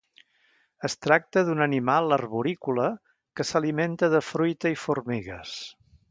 Es tracta d'un animal arborícola que s'alimenta de fruita i formigues.